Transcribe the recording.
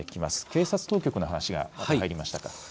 警察当局の話が入りました。